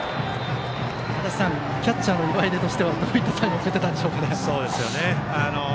キャッチャーの岩出としてはどういったサインを送ったでしょうか。